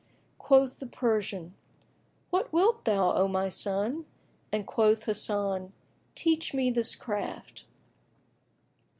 Quoth the Persian, "What wilt thou, O my son?"; and quoth Hasan, "Teach me this craft."